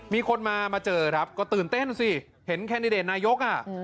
มีคนมาเจอครับก็ตื่นเต้นสิเห็นแคนดิเดตนายก